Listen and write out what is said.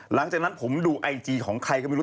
หลังจากนั้นผมดูไอจีของใครก็ไม่รู้